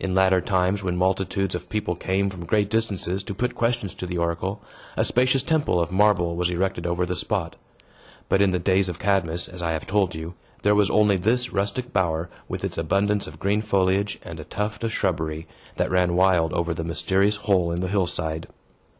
In later times, when multitudes of people came from great distances to put questions to the oracle, a spacious temple of marble was erected over the spot. But in the days of Cadmus, as I have told you, there was only this rustic bower, with its abundance of green foliage, and a tuft of shrubbery, that ran wild over the mysterious hole in the hillside.